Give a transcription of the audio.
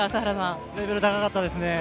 レベルが高かったですね。